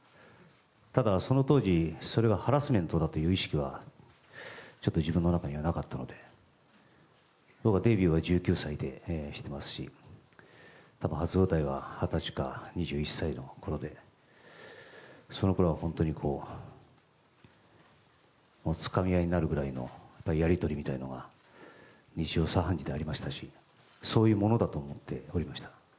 ただ、その当時それがハラスメントだという意識は、ちょっと自分の中にはなかったので僕はデビューを１９歳でしていますし初舞台は二十歳か２１歳のころでそのころは本当につかみ合いになるぐらいのやり取りみたいなものは日常茶飯事でありましたしそういうものだと思っておりました。